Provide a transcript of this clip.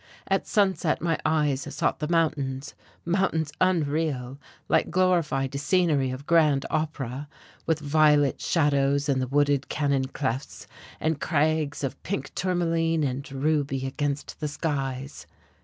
At sunset my eyes sought the mountains, mountains unreal, like glorified scenery of grand opera, with violet shadows in the wooded canon clefts, and crags of pink tourmaline and ruby against the skies.